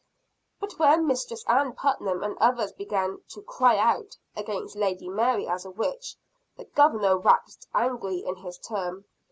But when Mistress Ann Putnam and others began "to cry out" against Lady Mary as a witch, the Governor waxed angry in his turn.